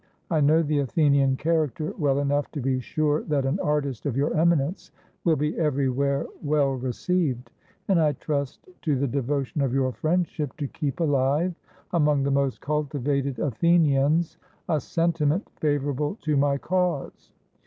I know the Athenian character well enough to be sure that an artist of your eminence will be everywhere well received; and I trust to the devotion of your friendship to keep ahve among the most cultivated Athenians a sentiment favorable to my cause.